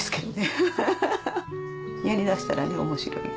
やりだしたらね面白い。